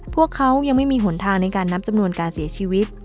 พวกเขายังไม่มีหนทางในการนับจำนวนการเสียชีวิต